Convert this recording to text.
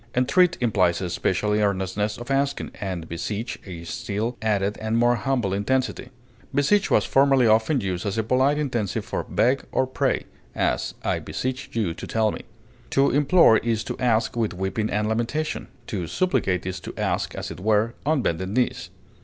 Entreat implies a special earnestness of asking, and beseech, a still added and more humble intensity; beseech was formerly often used as a polite intensive for beg or pray; as, I beseech you to tell me. To implore is to ask with weeping and lamentation; to supplicate is to ask, as it were, on bended knees.